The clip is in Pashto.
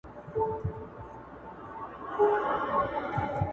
تشهد يا حمد اوثناء ئې وويله.